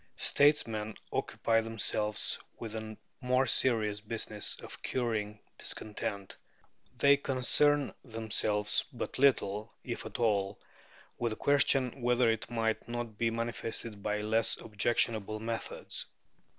Statesmen occupy themselves with the more serious business of curing discontent. They concern themselves but little, if at all, with the question whether it might not be manifested by less objectionable methods.